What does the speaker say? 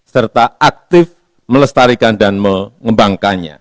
serta aktif melestarikan